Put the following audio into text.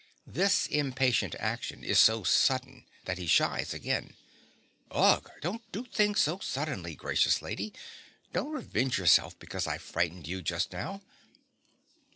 This impatient action is so sudden that he shies again._) Ugh! Don't do things so suddenly, gracious lady. Don't revenge yourself because I frightened you just now.